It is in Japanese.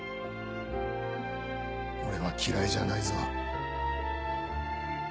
俺は嫌いじゃないぞ。